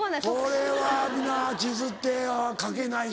これは皆地図って描けないし。